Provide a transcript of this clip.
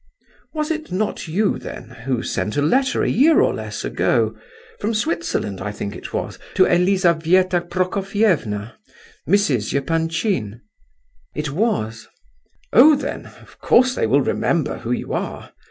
"Was it not you, then, who sent a letter a year or less ago—from Switzerland, I think it was—to Elizabetha Prokofievna (Mrs. Epanchin)?" "It was." "Oh, then, of course they will remember who you are.